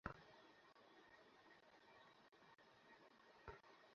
এ পথ যেমনি ছিল দুর্গম তেমনি ছিল দীর্ঘও।